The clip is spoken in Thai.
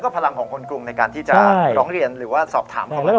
พลังของคนกรุงในการที่จะสอบถามเขา